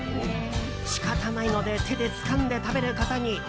仕方ないので手でつかんで食べることに。